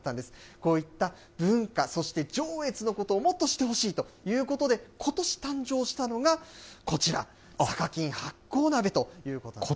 こういった文化、そして上越のことをもっと知ってほしいということで、ことし誕生したのがこちら、さかきん発酵鍋ということなんです。